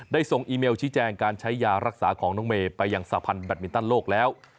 ส่งอีเมลชี้แจงการใช้ยารักษาของน้องเมย์ไปยังสาพันธ์แบตมินตันโลกแล้ว